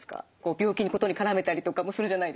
病気のことに絡めたりとかもするじゃないですか。